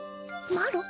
マロ？